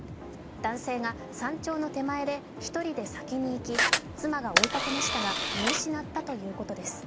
男性が山頂の手前で１人で先に行き妻が追いかけましたが、見失ったということです。